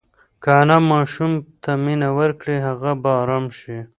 که انا ماشوم ته مینه ورکړي هغه به ارام شي.